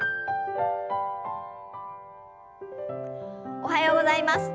おはようございます。